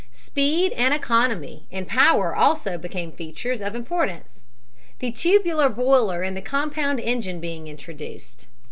Speed and economy in power also became features of importance, the tubular boiler and the compound engine being introduced.